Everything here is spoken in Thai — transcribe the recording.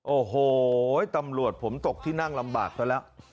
โอ้โหตำรวจผมตกที่นั่งลำบากซะแล้ว